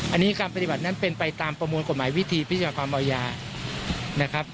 อันนี้การปฏิบัตินั้นเป็นไปตามประมวลกฎหมายวิธีพิจาความอาญานะครับ